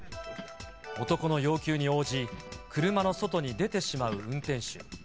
男の要求に応じ、車の外に出てしまう運転手。